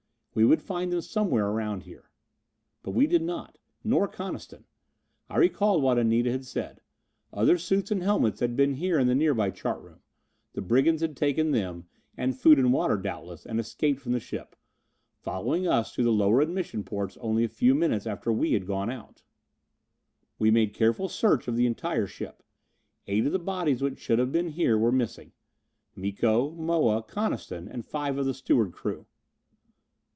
We would find them somewhere around here. But we did not. Nor Coniston. I recalled what Anita had said: other suits and helmets had been here in the nearby chart room. The brigands had taken them, and food and water doubtless, and escaped from the ship, following us through the lower admission ports only a few minutes after we had gone out. We made careful search of the entire ship. Eight of the bodies which should have been here were missing: Miko, Moa, Coniston, and five of the steward crew.